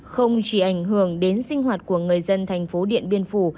không chỉ ảnh hưởng đến sinh hoạt của người dân thành phố điện biên phủ